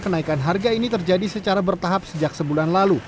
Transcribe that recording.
kenaikan harga ini terjadi secara bertahap sejak sebulan lalu